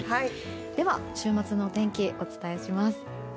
では、週末のお天気をお伝えします。